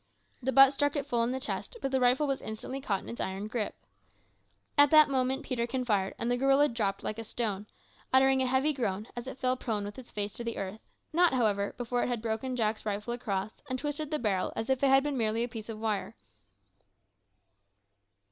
The butt struck it full in the chest, but the rifle was instantly caught in its iron gripe. At that moment Peterkin fired, and the gorilla dropped like a stone, uttering a heavy groan as it fell prone with its face to the earth not, however, before it had broken Jack's rifle across, and twisted the barrel as if it had been merely a piece of wire!